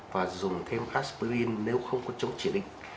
và dùng thêm aspirin nếu không có chống trị lịch